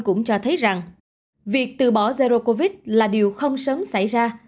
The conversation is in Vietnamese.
cũng cho thấy rằng việc từ bỏ zero covid là điều không sớm xảy ra